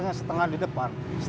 cara dengan mencedial hati